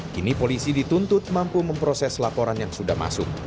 kini polisi dituntut mampu memproses laporan yang sudah masuk